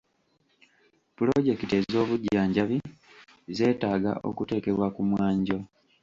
Pulojekiti ez'obujjanjabi zeetaaga okuteekebwa ku mwanjo.